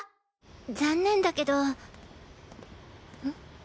残念だけどん？